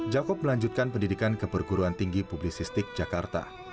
jakob melanjutkan pendidikan ke perguruan tinggi publisistik jakarta